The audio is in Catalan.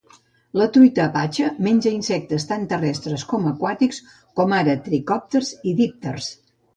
La truita apache menja insectes tant terrestres com aquàtics, com ara tricòpters i dípters.